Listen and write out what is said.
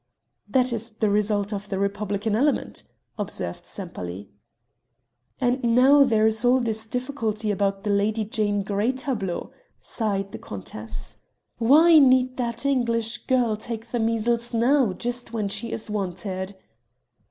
"That is the result of the republican element," observed Sempaly. "And now there is all this difficulty about the Lady Jane Grey tableau," sighed the countess. "Why need that English girl take the measles now, just when she is wanted."